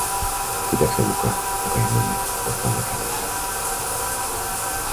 Κοίταξε Λουκά, τον καημένο, πώς τον έκανε η γάτα!